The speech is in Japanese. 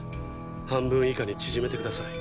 半分以下に縮めて下さい。